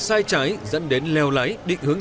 sai trái dẫn đến leo lái định hướng